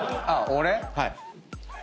はい。